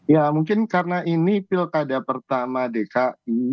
ya mungkin karena ini pilkada pertama dki